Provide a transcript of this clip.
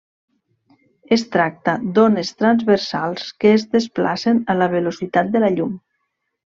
Es tracta d'ones transversals que es desplacen a la velocitat de la llum.